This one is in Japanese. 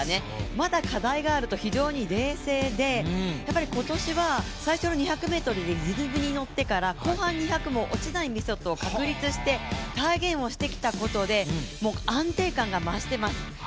まだ課題があると非常に冷静で、今年は最初の２００ｍでリズムに乗ってから、後半２００も落ちないメソッドを確立して、再現してきたことで安定感が増してます。